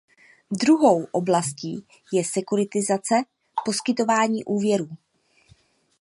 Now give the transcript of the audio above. Druhou oblastí je sekuritizace, poskytování úvěrů.